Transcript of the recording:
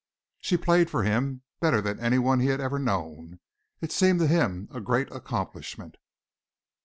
She played for him better than anyone he had ever known. It seemed to him a great accomplishment.